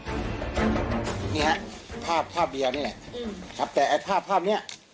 นี่ฮะภาพเดียวนี่แหละครับแต่ภาพนี้